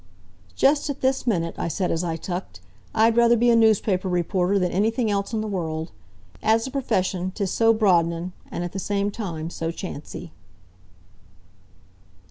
"Just at this minute," I said, as I tucked, "I'd rather be a newspaper reporter than anything else in the world. As a profession 'tis so broadenin', an' at the same time, so chancey."